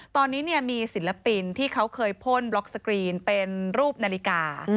ตอนนี้มีศิลปินที่เขาเคยพ่นบล็อกสกรีนเป็นรูปนาฬิกา